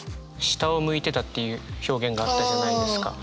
「下を向いてた」っていう表現があったじゃないですか。